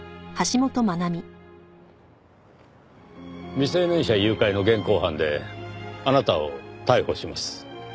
未成年者誘拐の現行犯であなたを逮捕します。